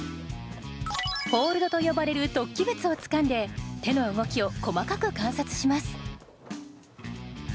ホールドと呼ばれる突起物をつかんで手の動きを細かく観察します